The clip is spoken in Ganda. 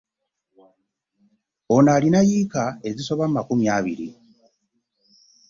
Ono alina yiika ezisoba mu makumi abiri